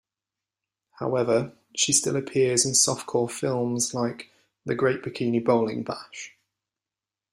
However, she still appears in softcore films like "The Great Bikini Bowling Bash".